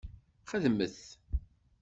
Xedmet!